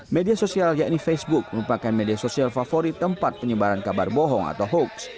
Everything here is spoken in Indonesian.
media sosial yakni facebook merupakan media sosial favorit tempat penyebaran kabar bohong atau hoax